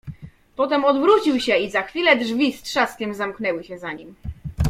"Potem odwrócił się i za chwilę drzwi z trzaskiem zamknęły się za nim."